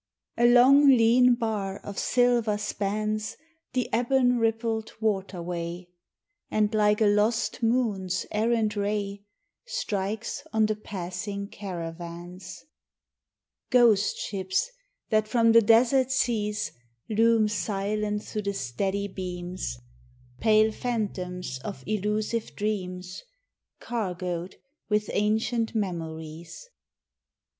A long lean bar of silver spans The ebon rippled water way, And like a lost moon's errant ray Strikes on the passing caravans Ghost ships that from the desert seas Loom silent through the steady beams, Pale phantoms of elusive dreams Cargoed with ancient memories.